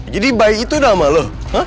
jadi bayi itu nama lo